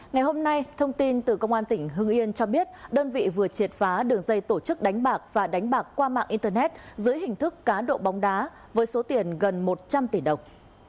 ngày hôm nay thông tin từ công an tỉnh hưng yên cho biết đơn vị vừa triệt phá đường dây tổ chức đánh bạc và đánh bạc qua mạng internet dưới hình thức cá độ bóng đá với số tiền gần một trăm linh tỷ đồng